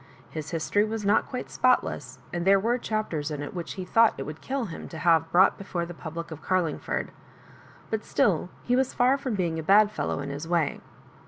His history was not quite spotless, and there were chapters in it which he thought it would kill him to have brought before the public of Carlingford; but still he was far from bemg a bad fellow in his way.